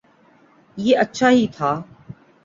یہ اچھا ہی تھا۔